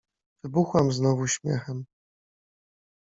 Wybuchłam znowu śmiechem.